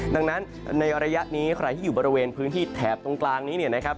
ดังนั้นในระยะนี้ใครที่อยู่บริเวณพื้นที่แถบตรงกลางนี้เนี่ยนะครับ